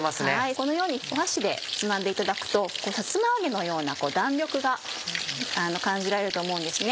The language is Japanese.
このように箸でつまんでいただくとさつま揚げのような弾力が感じられると思うんですね。